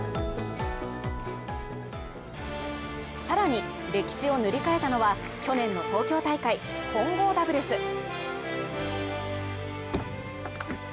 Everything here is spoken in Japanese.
更に歴史を塗り替えたのは去年の東京大会・混合ダブルス。